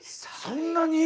そんなに？